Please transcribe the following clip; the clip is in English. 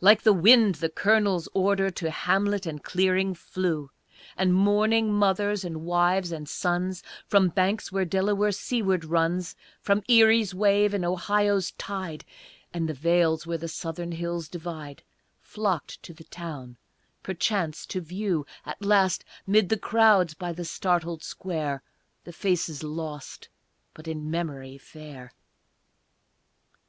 Like the wind the Colonel's order To hamlet and clearing flew; And mourning mothers and wives and sons From banks where Delaware seaward runs, From Erie's wave, and Ohio's tide, And the vales where the southern hills divide, Flocked to the town, perchance to view, At last, 'mid the crowds by the startled square, The faces lost, but in memory fair.